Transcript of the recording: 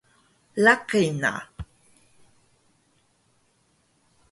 Laqi na